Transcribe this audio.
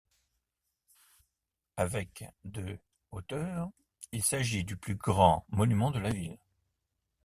Avec de hauteur, il s'agit du plus grand monument de la ville.